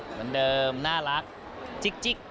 เหมือนเดิมน่ารักจิ๊ก